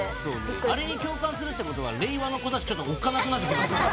あれに共感するってことは令和の子たちちょっとおっかなくなって。